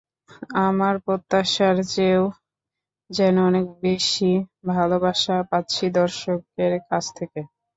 আমার প্রত্যাশার চেয়েও যেন অনেক বেশি ভালোবাসা পাচ্ছি দর্শকের কাছ থেকে।